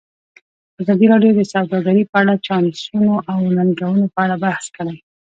ازادي راډیو د سوداګري په اړه د چانسونو او ننګونو په اړه بحث کړی.